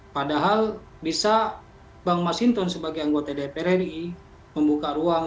padahal bisa bang mas hinton sebagai anggota dpr ri membuka ruang